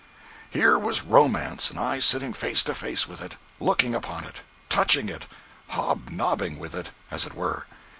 Here was romance, and I sitting face to face with it!—looking upon it—touching it—hobnobbing with it, as it were!